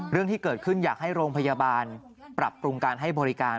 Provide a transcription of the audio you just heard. เรื่องที่เกิดขึ้นอยากให้โรงพยาบาลปรับปรุงการให้บริการ